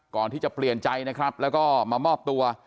ก่อนที่จะเปลี่ยนใจนะครับแล้วก็มามอบตัว